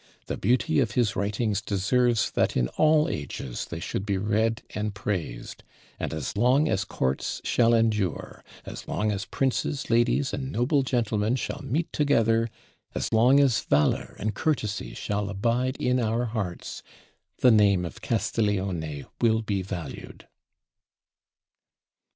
the beauty of his writings deserves that in all ages they should be read and praised; and as long as courts shall endure, as long as princes, ladies, and noble gentlemen shall meet together, as long as valor and courtesy shall abide in our hearts, the name of Castiglione will be valued."